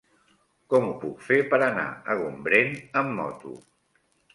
Com ho puc fer per anar a Gombrèn amb moto?